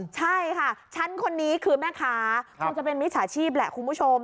ใช่ค่ะฉันคนนี้คือแม่ค้าคงจะเป็นมิจฉาชีพแหละคุณผู้ชม